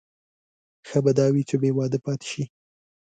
ښه به دا وي چې بې واده پاتې شي.